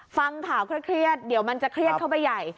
ฟังข่าวเครียดเดี๋ยวมันจะเครียดเข้าไปใหญ่